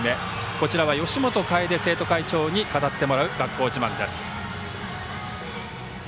こちらは吉本夏楓生徒会長に語ってもらう学校自慢です。